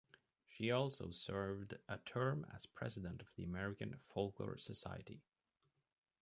She also served a term as president of the American Folklore Society.